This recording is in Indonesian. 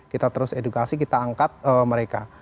kita terus edukasi kita angkat mereka